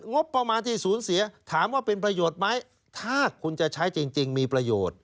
งบประมาณที่สูญเสียถามว่าเป็นประโยชน์ไหมถ้าคุณจะใช้จริงมีประโยชน์